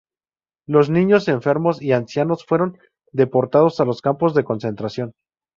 Los niños, enfermos y ancianos fueron deportados a los campos de concentración.